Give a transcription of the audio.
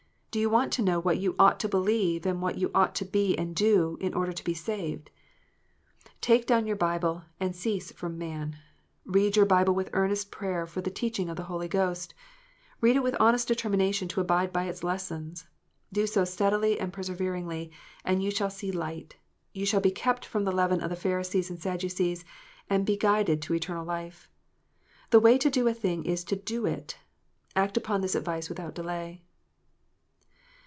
Do you want to know what you ought to believe, and what you ought to be and do, in order to be saved ? Take down your Bible, and cease from man. Head your Bible with earnest prayer for the teaching of the Holy Ghost ; read it with honest determination to abide by its lessons. Do so steadily and perseveringly, and you shall see light : you shall be kept from the leaven of the Pharisees and Sadducees, and be guided to eternal life. The way to do a thing is to do it. Act upon this advice without delay.